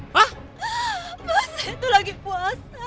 mas itu lagi puasa